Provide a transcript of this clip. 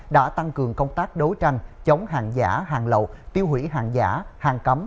đã tăng cường công tác đấu tranh chống hàng giả hàng lậu tiêu hủy hàng giả hàng cấm